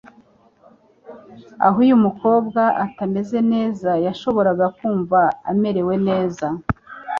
aho uyu mukobwa utameze neza yashoboraga kumva amerewe neza.